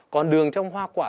còn đường trong hoa quả